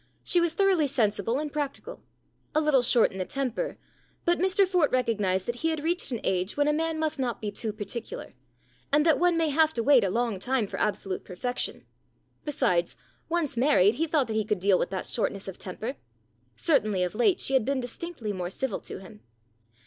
She was thoroughly sensible and practical. A little short in the temper but Mr Fort recognized that he had reached an age when a man must not be too particular, and that one may have to wait a long time for absolute perfec tion. Besides, once married, he thought that he could deal with that shortness of temper. Certainly of late she had been distinctly more civil to him.